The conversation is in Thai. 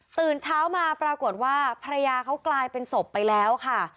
ตื่นเช้ามาปรากฏว่าภรรยาเขากลายเป็นศพไปแล้วค่ะ